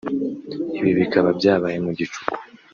Ibi bikaba byabaye mu gicuku